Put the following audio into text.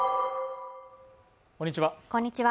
こんにちは